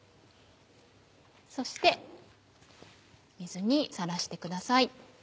そして水にさらしてください。